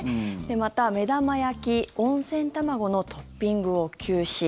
また、目玉焼き、温泉卵のトッピングを休止。